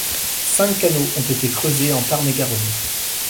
Cinq canaux ont été creusés en Tarn-et-Garonne.